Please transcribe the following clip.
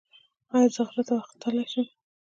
ایا زه غره ته وختلی شم؟